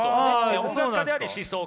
音楽家であり思想家。